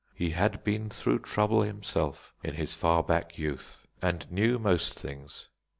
He had been through trouble himself in his far back youth, and knew most things.